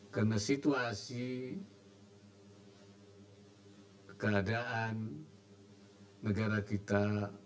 karena situasi keadaan negara kita